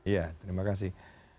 ya terima kasih